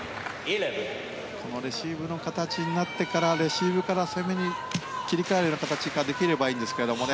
レシーブの形になってからレシーブから攻めに切り替える形ができればいいんですけどね。